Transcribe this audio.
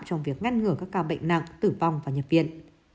trong việc ngăn ngừa các ca bệnh nặng tử vong và nhập viện